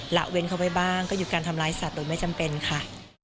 ละเว้นเข้าไปบ้างก็หยุดการทำร้ายสัตว์โดยไม่จำเป็นค่ะ